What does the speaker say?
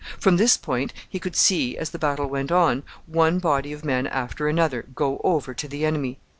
From this point he could see, as the battle went on, one body of men after another go over to the enemy.